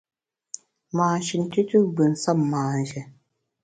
Mâ shin tùtù gbù nsem manjé.